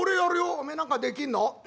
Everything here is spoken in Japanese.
「おめえ何かできんの？」。